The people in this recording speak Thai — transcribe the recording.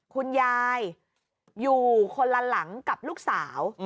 คุณยายอยู่คนละหลังกับลูกสาว